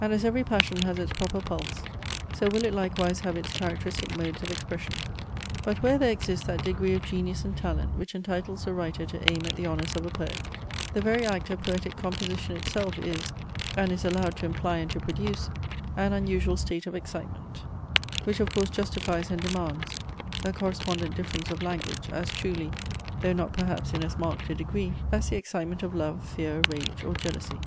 And as every passion has its proper pulse, so will it likewise have its characteristic modes of expression. But where there exists that degree of genius and talent which entitles a writer to aim at the honours of a poet, the very act of poetic composition itself is, and is allowed to imply and to produce, an unusual state of excitement, which of course justifies and demands a correspondent difference of language, as truly, though not perhaps in as marked a degree, as the excitement of love, fear, rage, or jealousy.